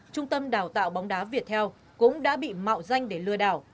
trung tâm đào tạo bóng đá việt theo cũng đã bị mạo danh để lừa đảo